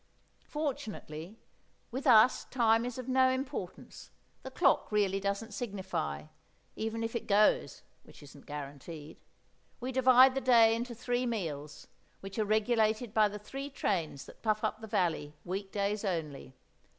Fortunately, with us time is of no importance, the clock really doesn't signify, even if it goes, which isn't guaranteed; we divide the day into three meals, which are regulated by the three trains that puff up the valley, week days only.